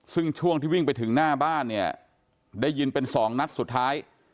ซึ่งช่วงที่วิ่งไปถึงหน้าบ้านเนี่ยได้ยินเป็นสองนัดสุดท้าย